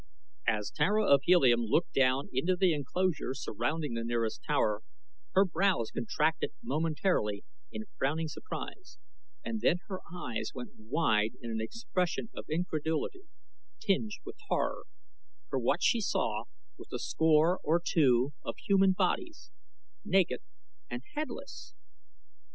As Tara of Helium looked down into the enclosure surrounding the nearest tower, her brows contracted momentarily in frowning surprise, and then her eyes went wide in an expression of incredulity tinged with horror, for what she saw was a score or two of human bodies naked and headless.